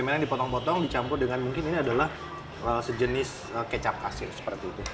kamera yang dipotong potong dicampur dengan mungkin ini adalah sejenis kecap kasir seperti itu